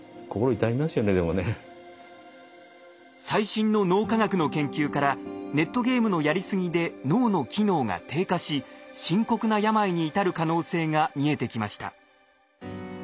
最新の脳科学の研究からネットゲームのやりすぎで脳の機能が低下し深刻な病に至る可能性が見えてきました。